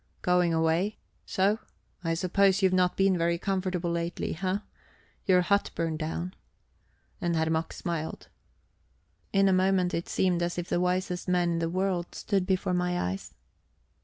"Going away? So? I suppose you've not been very comfortable lately, eh? Your hut burned down..." And Herr Mack smiled. In a moment it seemed as if the wisest man in the world stood before my eyes.